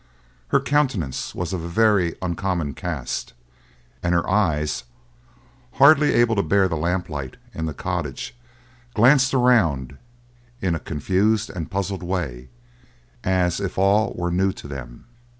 Her countenance was of a very uncommon cast, and her eyes, hardly able to bear the lamp light in the cottage, glanced around in a confused and puzzled way, as if all were new to them.